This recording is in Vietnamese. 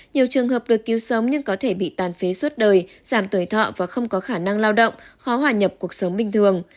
nhiều trường hợp được cứu sống nhưng có thể bị tàn phế suốt đời giảm tuổi thọ và không có khả năng lao động khó hòa nhập cuộc sống bình thường